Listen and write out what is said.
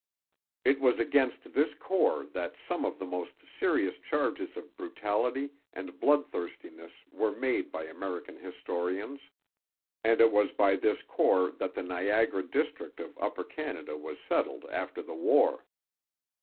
It was against this corps that some of the most serious charges of brutality and bloodthirstiness were made by American historians; and it was by this corps that the Niagara district of Upper Canada was settled after the war.